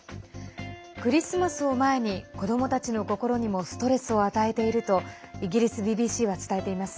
クリスマスを前に子どもたちの心にもストレスを与えているとイギリスＢＢＣは伝えています。